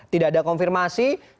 tidak ada konfirmasi